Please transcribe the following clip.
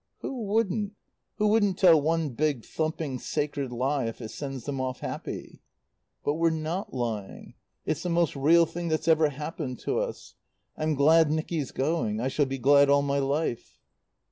"Who wouldn't? Who wouldn't tell one big, thumping, sacred lie, if it sends them off happy?" "But we're not lying. It's the most real thing that ever happened to us. I'm glad Nicky's going. I shall be glad all my life."